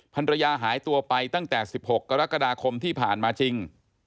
ภรรยาหายตัวไปตั้งแต่๑๖กรกฎาคมที่ผ่านมาจริง